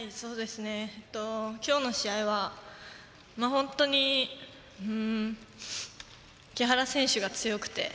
今日の試合は本当に木原選手が強くて。